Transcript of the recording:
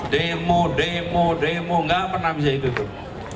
demo demo demo nggak pernah bisa ikut